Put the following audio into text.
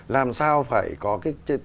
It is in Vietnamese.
làm sao phải có cái